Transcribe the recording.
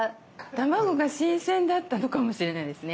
卵が新鮮だったのかもしれないですね。